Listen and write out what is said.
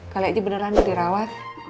kalo ini beneran udah dirawat